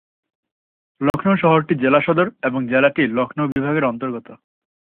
লখনউ শহরটি জেলা সদর এবং জেলাটি লখনউ বিভাগের অন্তর্গত।